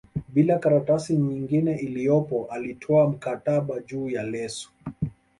bila karatasi nyingine iliyopo alitoa mkataba juu ya leso